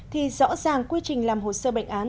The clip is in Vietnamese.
thì rõ ràng quy trình làm hồ sơ bệnh án